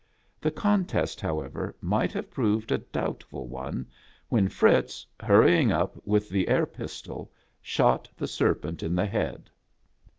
The contest, however, might have proved a doubtful one, when Fritz, hurrying up with the air pistol, shot the serpent in the head.